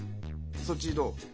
そっちどう？